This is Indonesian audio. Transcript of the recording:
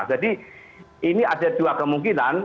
jadi ini ada dua kemungkinan